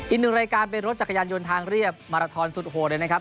อีกหนึ่งรายการเป็นรถจักรยานยนต์ทางเรียบมาราทอนสุดโหดเลยนะครับ